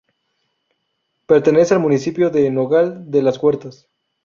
Pertenece al municipio de Nogal de las Huertas.